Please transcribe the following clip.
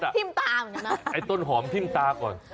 ส้นทรมานไงต้นหอมทิ้งตาก่อน